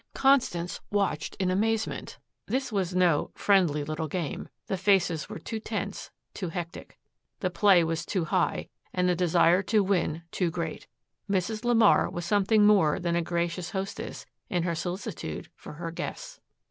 Constance watched in amazement. This was no "friendly little game." The faces were too tense, too hectic. The play was too high, and the desire to win too great. Mrs. LeMar was something more than a gracious hostess in her solicitude for her guests.